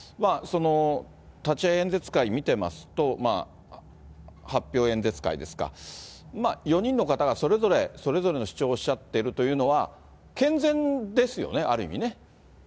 立会演説会見てますと、発表演説会ですか、４人の方がそれぞれ、それぞれの主張をおっしゃっているというのは、健全ですよね、ある意味ね。